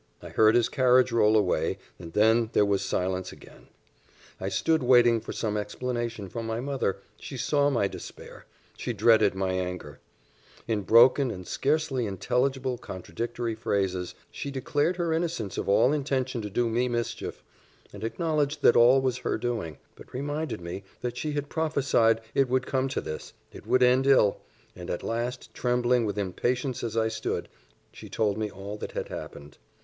I heard his carriage roll away and then there was silence again. I stood waiting for some explanation from my mother she saw my despair she dreaded my anger: in broken and scarcely intelligible, contradictory phrases, she declared her innocence of all intention to do me mischief, and acknowledged that all was her doing; but reminded me, that she had prophesied it would come to this it would end ill and at last, trembling with impatience as I stood, she told me all that had happened.